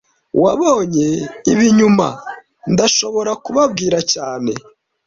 Wabonye ibi nyuma, ndashobora kubabwira cyane